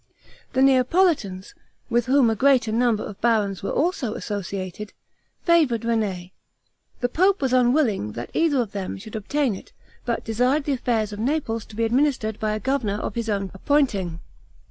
The Neapolitans, with whom a greater number of barons were also associated, favored René. The pope was unwilling that either of them should obtain it; but desired the affairs of Naples to be administered by a governor of his own appointing.